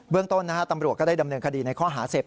ต้นตำรวจก็ได้ดำเนินคดีในข้อหาเสพ